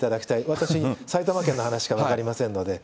私、埼玉県の話しか分かりませんので。